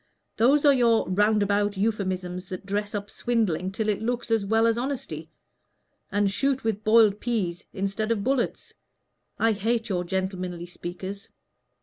Those are your roundabout euphuisms that dress up swindling till it looks as well as honesty, and shoot with boiled peas instead of bullets. I hate your gentlemanly speakers."